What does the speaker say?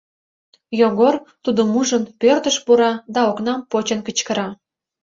Йогор, тудым ужын, пӧртыш пура да окнам почын кычкыра: